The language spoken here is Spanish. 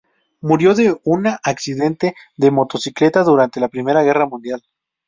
Murió en un accidente de motocicleta durante la Primera Guerra Mundial.